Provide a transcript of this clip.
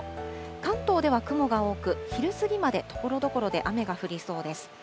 関東では雲が多く、昼過ぎまでところどころで雨が降りそうです。